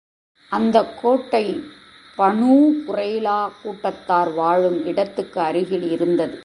அந்தக் கோட்டை Banu Quraiza கூட்டத்தார் வாழும் இடத்துக்கு அருகில் இருந்தது.